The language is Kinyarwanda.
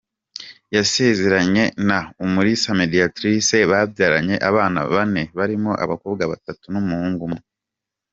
Yasezeranye na Umulisa Médiatrice babyaranye abana bane, barimo abakobwa batatu n’umuhungu umwe.